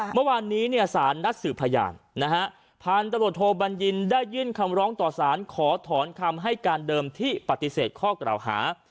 เมื่อวานนี้สารนักสือพยานพาณตะโบราณโทบัญญินได้ยื่นคำร้องต่อสารขอถอนคำให้การเดิมที่ปฏิเสธข้อกล่าวหา